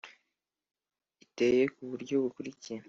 Iteye ku buryo bukurikira